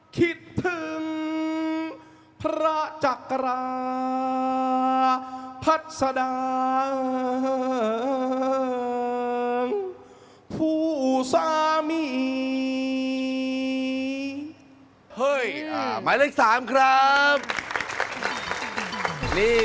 คิดถึงพระจักราพัฒนาผู้สามี